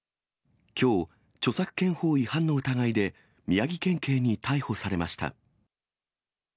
きょう、著作権法違反の疑いで、宮城県警に逮捕されました。